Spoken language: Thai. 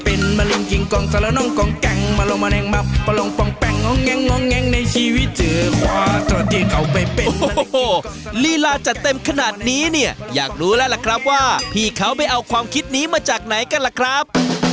โอ้โหลีลาจะเต็มขนาดนี้เนี่ยอยากรู้แล้วล่ะครับว่าพี่เขาไปเอาความคิดนี้มาจากไหนกันล่ะครับ